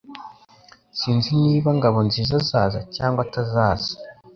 Sinzi niba Ngabonziza azaza cyangwa atazaza